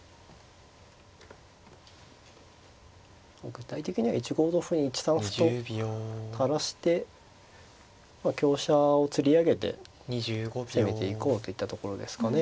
具体的には１五同歩に１三歩と垂らして香車をつり上げて攻めていこうといったところですかね。